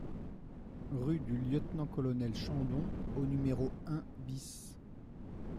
Rue du Lieutenant-Colonel Chandon au numéro un BIS